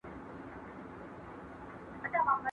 ¬ لږ به خورم هوسا به اوسم.